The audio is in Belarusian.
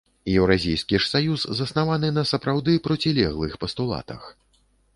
Еўразійскі ж саюз заснаваны на сапраўды процілеглых пастулатах.